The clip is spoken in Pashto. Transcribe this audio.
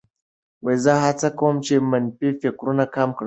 زه هڅه کوم چې منفي فکرونه کم کړم.